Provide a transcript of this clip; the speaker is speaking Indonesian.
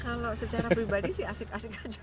kalau secara pribadi sih asik asik aja